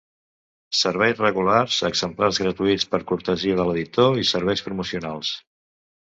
Serveis regulars: exemplars gratuïts per cortesia de l'editor i serveis promocionals.